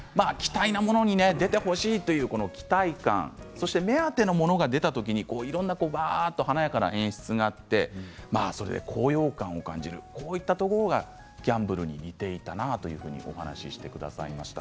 欲しいものが出てほしいという期待感と目当てのものが出てほしい時の華やかな演出があってそれで高揚感を感じるこういったところがギャンブルに似ていたなということを話してくださいました。